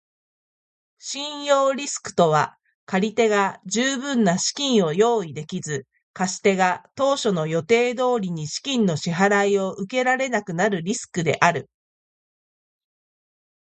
信用リスクとは借り手が十分な資金を用意できず、貸し手が当初の予定通りに資金の支払を受けられなくなるリスクである。